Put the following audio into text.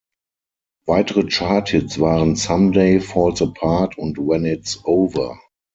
Weitere Charthits waren "Someday", "Falls Apart" und "When It's Over".